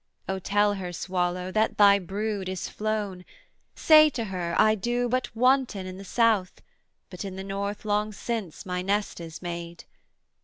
'O tell her, Swallow, that thy brood is flown: Say to her, I do but wanton in the South, But in the North long since my nest is made.